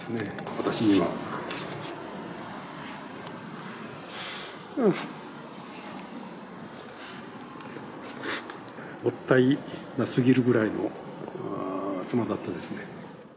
私には、もったいなすぎるぐらいの妻だったですね。